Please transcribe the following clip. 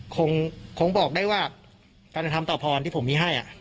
คงบอกได้ว่าการกระทำต่อพรที่ผมมีให้